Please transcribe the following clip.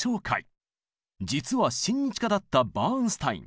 実は親日家だったバーンスタイン。